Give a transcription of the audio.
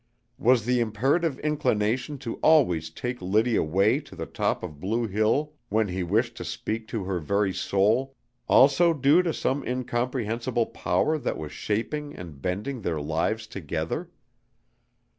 Was the imperative inclination to always take Liddy away to the top of Blue Hill when he wished to speak to her very soul, also due to some incomprehensible power that was shaping and bending their lives together?